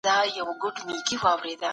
انسان ټولنيز موجود دی.